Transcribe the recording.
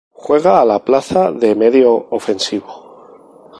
Juega a la plaza de medio ofensivo.